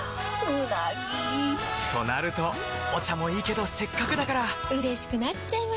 うなぎ！となるとお茶もいいけどせっかくだからうれしくなっちゃいますか！